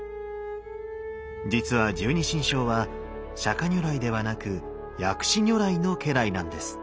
実は十二神将は釈如来ではなく薬師如来の家来なんです。